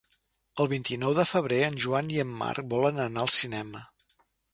El vint-i-nou de febrer en Joan i en Marc volen anar al cinema.